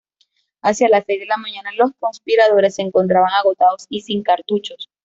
Hacia las seis de la mañana los conspiradores se encontraban agotados y sin cartuchos.